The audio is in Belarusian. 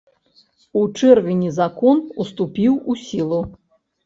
У чэрвені закон уступіў у сілу.